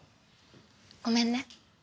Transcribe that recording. ごめんね。